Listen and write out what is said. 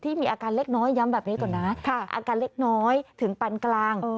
มีอาการเล็กน้อยย้ำแบบนี้ก่อนนะอาการเล็กน้อยถึงปันกลาง